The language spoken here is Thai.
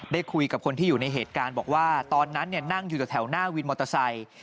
ได้คุยกับคนที่อยู่ในเหตุการณ์บอกว่าตอนนั้นนั่งอยู่แถวหน้าวินมอเตอร์ไซค์